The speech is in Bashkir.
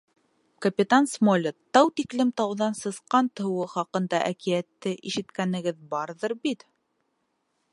— Капитан Смолетт, тау тиклем тауҙан сысҡан тыуыуы хаҡында әкиәтте ишеткәнегеҙ барҙыр бит.